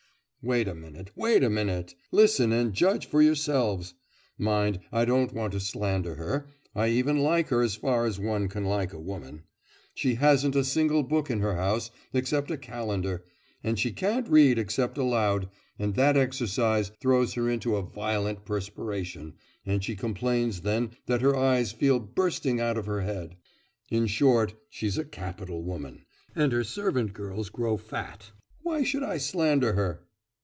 'Wait a minute, wait a minute! Listen and judge for yourselves. Mind, I don't want to slander her, I even like her as far as one can like a woman. She hasn't a single book in her house except a calendar, and she can't read except aloud, and that exercise throws her into a violent perspiration, and she complains then that her eyes feel bursting out of her head.... In short, she's a capital woman, and her servant girls grow fat. Why should I slander her?